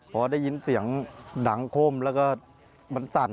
พอได้ยินเสียงดังคมแล้วก็มันสั่น